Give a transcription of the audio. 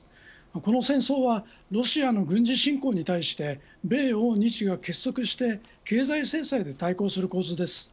この戦争はロシアの軍事侵攻に対して米欧日が結束して経済政策で対抗する構図です。